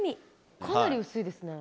かなり薄いですね。